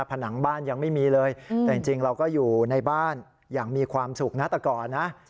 ผนังบ้านยังไม่มีเลยแต่จริงเราก็อยู่ในบ้านอย่างมีความสุขนะแต่ก่อนนะ